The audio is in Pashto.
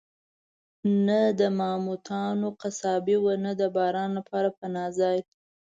نه د ماموتانو قصابي وه، نه د باران لپاره پناه ځای.